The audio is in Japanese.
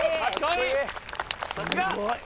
さすが！